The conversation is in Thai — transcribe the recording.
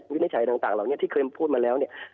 วินิจฉัยต่างเราที่เคยพูดมาแล้ว